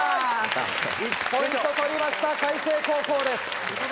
１ポイント取りました開成高校です。